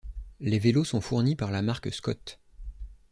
Les vélos sont fournis par la marque Scott.